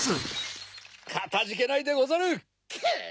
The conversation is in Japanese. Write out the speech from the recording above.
かたじけないでござる！